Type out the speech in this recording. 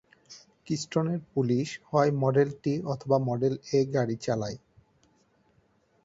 কিস্টোনের police, হয় model T অথবা model A গাড়ি চালায়।